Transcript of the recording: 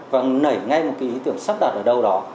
vâng nảy ngay một cái ý tưởng sắp đặt ở đâu đó